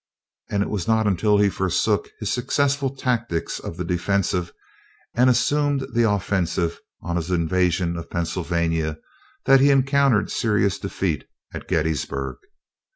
And it was not until he forsook his successful tactics of the defensive, and assumed the offensive on his invasion of Pennsylvania, that he encountered serious defeat at Gettysburg.